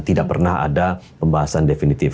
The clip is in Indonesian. tidak pernah ada pembahasan definitif